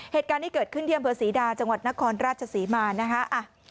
เหตุการณ์นี้เกิดขึ้นที่อำเภอศรีดาจังหวัดนครราชศรีมานะคะ